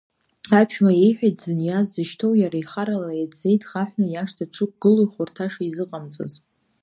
Аԥшәма иеиҳәеит дзыниаз дзышьҭоу, иара ихарала иаӡӡеи дхаҳәханы иашҭа дшықәгылоу, хәарҭа шизыҟамҵаз.